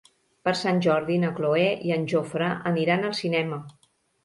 Per Sant Jordi na Cloè i en Jofre aniran al cinema.